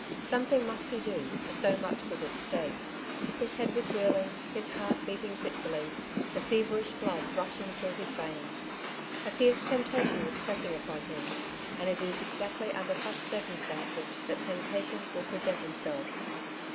Something must he do, for so much was at stake. His head was reeling, his heart beating fitfully, the feverish blood rushing through his veins. A fierce temp tation was pressing upon him ; and it is exactly under such circumstances that temptations will present themselves.